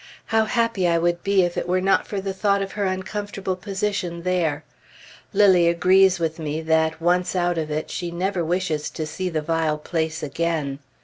How happy I would be, if it were not for the thought of her uncomfortable position there! Lilly agrees with me that, once out of it, she never wishes to see the vile place again.